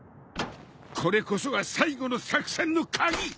これこそが最後の作戦の鍵。